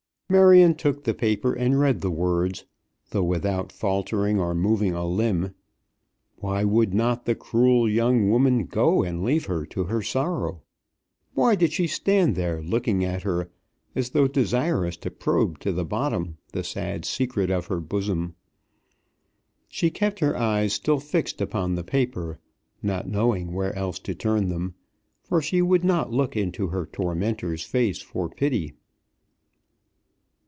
Marion took the paper, and read the words through without faltering or moving a limb. Why would not the cruel young woman go and leave her to her sorrow? Why did she stand there looking at her, as though desirous to probe to the bottom the sad secret of her bosom? She kept her eyes still fixed upon the paper, not knowing where else to turn them, for she would not look into her tormentor's face for pity.